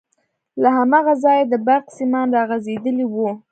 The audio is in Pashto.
له هماغه ځايه د برق سيمان راغځېدلي وو.